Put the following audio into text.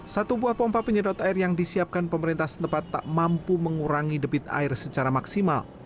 satu buah pompa penyedot air yang disiapkan pemerintah setempat tak mampu mengurangi debit air secara maksimal